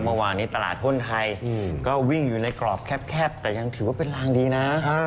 เมื่อวานนี้ตลาดหุ้นไทยก็วิ่งอยู่ในกรอบแคบแต่ยังถือว่าเป็นรางดีนะ